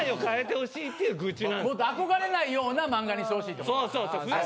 もっと憧れないような漫画にしてほしいってこと？